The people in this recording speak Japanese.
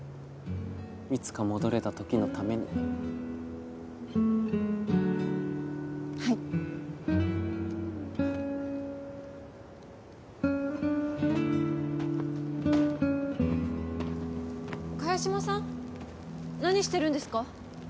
いつか戻れた時のためにはい萱島さん何してるんですか？